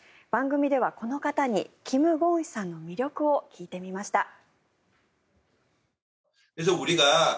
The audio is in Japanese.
番組ではこの方にキム・ゴンヒさんの魅力を聞いてみました。